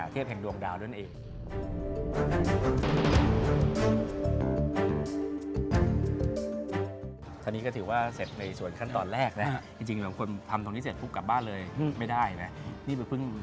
เทพแห่งดวงดาวนั่นเอง